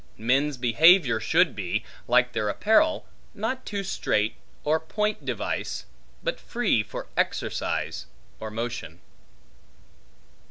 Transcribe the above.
Men's behavior should be, like their apparel, not too strait or point device, but free for exercise or motion.